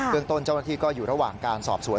เรื่องต้นเจ้าหน้าที่ก็อยู่ระหว่างการสอบสวน